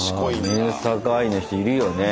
メンサ会員の人いるよね。